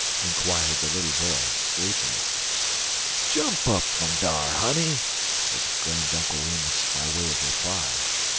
inquired the little boy, sleepily. "Jump up fum dar, honey!" exclaimed Uncle Remus, by way of reply.